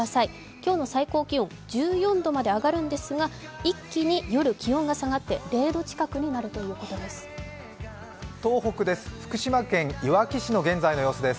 今日の最高気温１４度まで上がるんですが一気に夜気温が下がって０度近くになるということです。